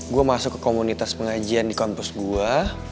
gue masuk ke komunitas pengajian di kampus gue